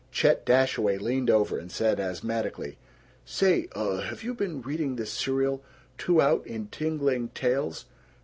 Chet Dashaway leaned over and said asthmatically, "Say, uh, have you been reading this serial 'Two Out' in Tingling Tales?